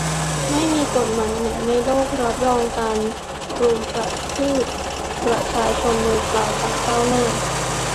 ไม่มีกฎหมายไหนในโลกรับรองการรุมกระทืบประชาชนมือเปล่าของเจ้าหน้า